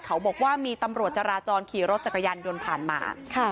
เขาบอกว่ามีตำรวจจราจรขี่รถจักรยานยนต์ผ่านมา